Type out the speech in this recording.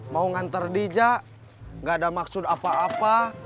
mau ngantar dija gak ada maksud apa apa